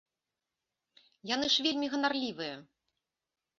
Яны ж вельмі ганарлівыя.